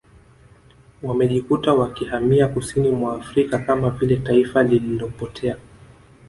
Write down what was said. Wamejikuta wakihamia kusini mwa Afrika Kama vile taifa lililopotea